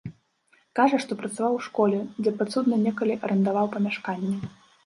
Кажа, што працаваў у школе, дзе падсудны некалі арандаваў памяшканне.